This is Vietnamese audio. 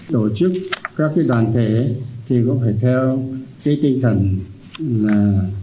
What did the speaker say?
tổ chức các cái đoàn thể thì cũng phải theo cái tinh thần là